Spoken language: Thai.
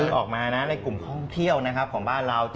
ออกมานะในกลุ่มท่องเที่ยวนะครับของบ้านเรา